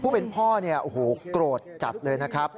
ผู้เป็นพ่อโอ้โฮโกรธจัดเลยนะครับ